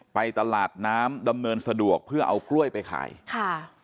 ไปตลาดน้ำดำเนินสะดวกเพื่อเอากล้วยไปขายค่ะ